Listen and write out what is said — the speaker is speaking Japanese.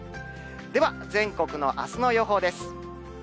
では、全国のあすの予報です。